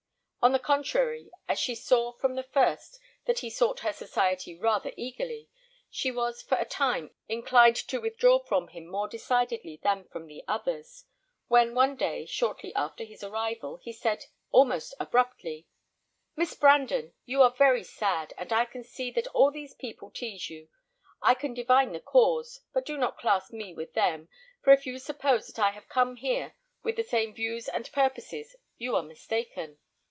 On the contrary, as she saw from the first that he sought her society rather eagerly, she was for a time inclined to withdraw from him more decidedly than from the others, when one day, shortly after his arrival, he said, almost abruptly, "Miss Brandon, you are very sad, and I can see that all these people tease you. I can divine the cause; but do not class me with them, for if you suppose that I have come here with the same views and purposes, you are mistaken."